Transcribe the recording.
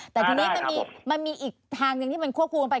แต่ทีนี้มันมีอีกทางหนึ่งที่มันควบคู่กันไป